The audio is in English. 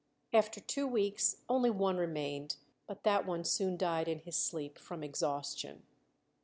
After two weeks only one remained, but that one soon died in his sleep from exhaustion.